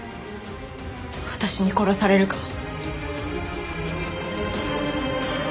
私に殺されるか。